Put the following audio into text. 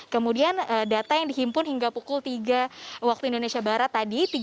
kemudian data yang dihimpun hingga pukul tiga waktu indonesia barat tadi